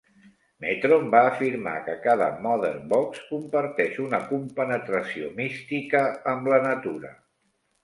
Metron va afirmar que cada Mother Box comparteix "una compenetració mística amb la natura".